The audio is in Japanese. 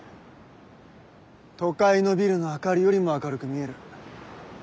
都会のビルの明かりよりも明るく見える。